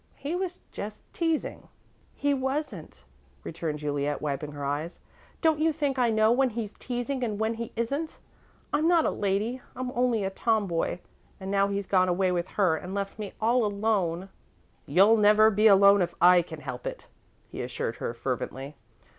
He was just teasing." "He wasn't," returned Juliet, wiping her eyes. "Don't you think I know when he's teasing and when he isn't? I'm not a lady; I'm only a tomboy, and now he's gone away with her and left me all alone." "You'll never be alone if I can help it," he assured her, fervently.